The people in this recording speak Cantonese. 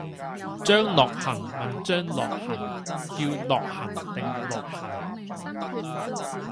張諾恒問張樂痕叫諾恒定樂痕？